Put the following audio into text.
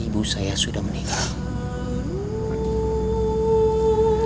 ibu saya sudah meninggal